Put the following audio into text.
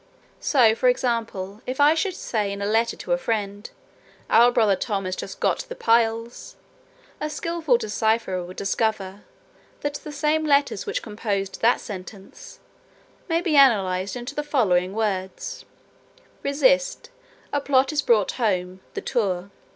So, for example, if I should say, in a letter to a friend, 'Our brother Tom has just got the piles,' a skilful decipherer would discover, that the same letters which compose that sentence, may be analysed into the following words, 'Resist, a plot is brought home; The tour.